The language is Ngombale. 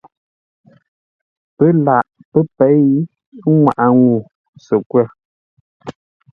Pə́ laghʼ pə́ pěi nŋwáʼa ŋuu səkwə̂r.